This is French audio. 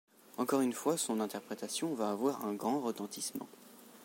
Encore une fois, son interprétation va avoir un grand retentissement.